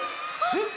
えっ？